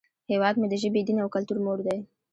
هیواد مې د ژبې، دین، او کلتور مور دی